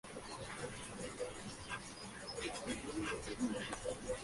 Hay depósitos de mineral de hierro, cobalto y cobre.